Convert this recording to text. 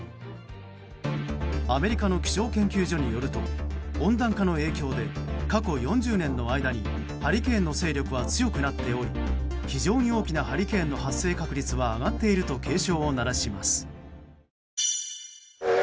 アメリカの気象研究所によると温暖化の影響で過去４０年の間にハリケーンの勢力は強くなっており非常に大きなハリケーンの発生確率は上がっていると警鐘を鳴らします。